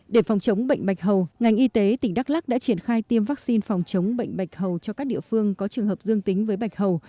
để phòng chống bệnh bạch hầu ngành y tế tỉnh đắk lắc đã triển khai tiêm vaccine phòng chống bệnh bạch hầu cho các địa phương có trường hợp dương tính với bạch hầu